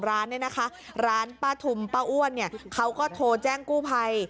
ร้านป้าถุ่มป้าอ้วนเขาก็โทรแจ้งกู้ภัย